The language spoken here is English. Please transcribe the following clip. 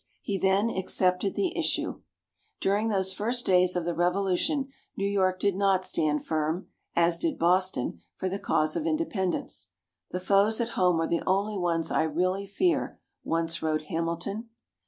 He then accepted the issue. During those first days of the Revolution, New York did not stand firm, as did Boston, for the cause of independence. "The foes at home are the only ones I really fear," once wrote Hamilton.